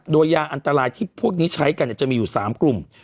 โดยยาอันตรายที่พวกนี้ใช้กันจะมีอยู่๓กลุ่ม